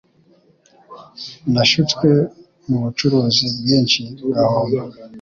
Nashutswe mubucuruzi bwinshi ngahomba